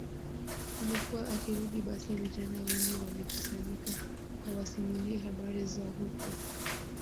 Ilikuwa akirudi basi vijana wengi walikusanyika awasimulie habari za huko